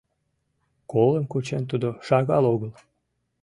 Колым кучен тудо шагал огыл